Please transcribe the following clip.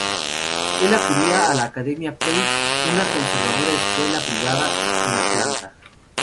Él acudía a la academia Pace, una conservadora escuela privada en Atlanta.